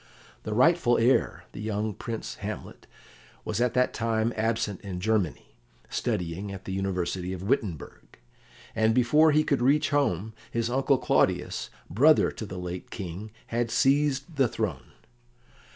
The rightful heir, the young Prince Hamlet, was at that time absent in Germany, studying at the University of Wittenberg, and before he could reach home, his uncle Claudius, brother to the late King, had seized the throne.